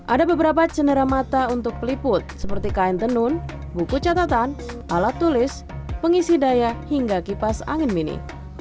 ada beberapa cendera mata untuk peliput seperti kain tenun buku catatan alat tulis pengisi daya hingga kipas angin mini